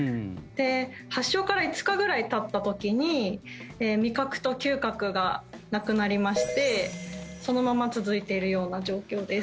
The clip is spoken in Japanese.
発症から５日ぐらいたった時に味覚と嗅覚がなくなりましてそのまま続いているような状況です。